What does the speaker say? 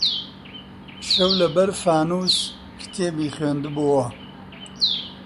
شەو لەبەر فانووس کتێبی خوێندبۆوە